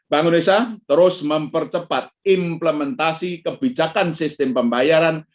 bank indonesia terus mempercepat implementasi kebijakan sistem pembayaran